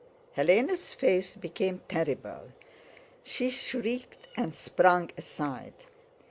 Hélène's face became terrible, she shrieked and sprang aside.